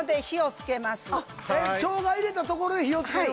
しょうが入れたところで火をつける？